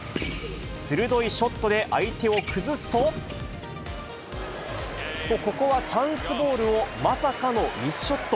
鋭いショットで相手を崩すと、ここはチャンスボールをまさかのミスショット。